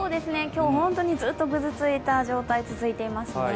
今日、本当にずっとぐずついた状態が続いていますね。